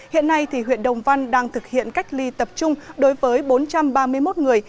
hiện nay huyện đồng văn đang thực hiện cách ly tập trung đối với bốn trăm ba mươi một người